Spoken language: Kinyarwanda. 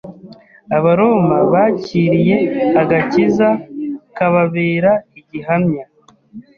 abaroma bakiriye agakiza kababera igihamya